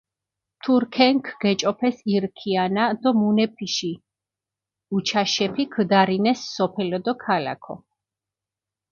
თურქენქ გეჭოფეს ირ ქიანა დო მუნეფიში უჩაშეფი ქჷდარინეს სოფელო დო ქალაქო.